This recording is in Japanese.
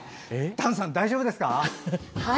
丹さん、大丈夫ですか。